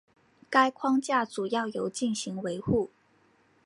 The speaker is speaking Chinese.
该框架主要由进行维护。